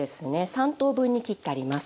３等分に切ってあります。